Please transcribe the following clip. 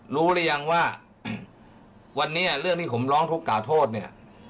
รู้หรือยังว่าวันนี้เรื่องที่ผมร้องทุกข่าโทษเนี่ย